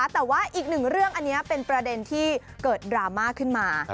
แต่ว่าอีกหนึ่งเรื่องอันนี้เป็นประเด็นที่เกิดดราม่าขึ้นมา